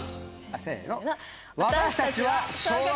せの。